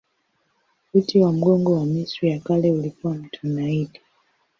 Uti wa mgongo wa Misri ya Kale ulikuwa mto Naili.